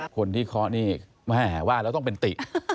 เคาะนี่แม่ว่าแล้วต้องเป็นติ